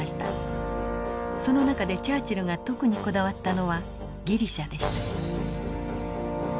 その中でチャーチルが特にこだわったのはギリシャでした。